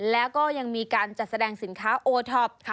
แล้วก็ยังมีการจัดแสดงสินค้าโอท็อป